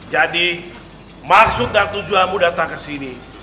jadi maksud dan tujuanmu datang kesini